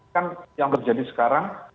kan yang terjadi sekarang